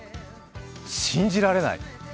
信じられない。